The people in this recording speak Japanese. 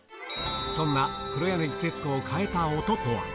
そんな黒柳徹子を変えた音とは。